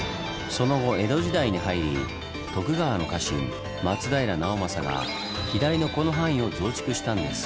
その後江戸時代に入り徳川の家臣松平直政が左のこの範囲を増築したんです。